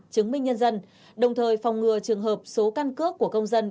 chứng minh nhân dân đồng thời phòng ngừa trường hợp số căn cước của công dân